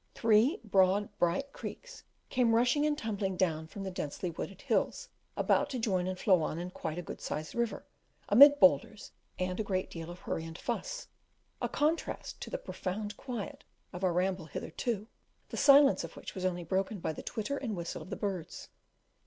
Three broad, bright creeks came rushing and tumbling down from the densely wooded hills about to join and flow on in quite a good sized river, amid boulders and a great deal of hurry and fuss, a contrast to the profound quiet of our ramble hitherto, the silence of which was only broken by the twitter and whistle of the birds.